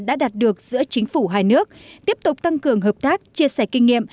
đã đạt được giữa chính phủ hai nước tiếp tục tăng cường hợp tác chia sẻ kinh nghiệm